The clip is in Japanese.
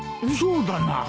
そうだな。